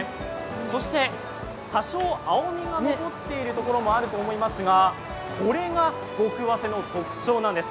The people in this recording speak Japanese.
そして、多少青みが残っているところもあると思いますがこれが極早生の特徴なんです。